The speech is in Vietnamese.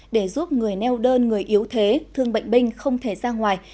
để giúp người neo đơn người yếu thế thương bệnh binh không thể ra ngoài